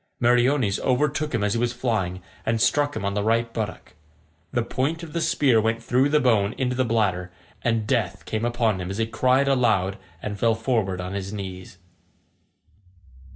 Meriones overtook him as he was flying, and struck him on the right buttock. The point of the spear went through the bone into the bladder, and death came upon him as he cried aloud and fell forward on his knees.